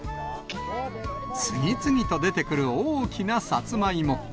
次々と出てくる大きなサツマイモ。